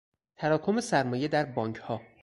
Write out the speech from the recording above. تراکم سرمایه در بانکها